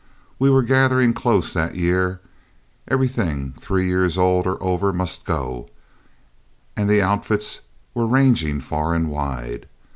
We were gathering close that year, everything three years old or over must go, and the outfits were ranging far and wide.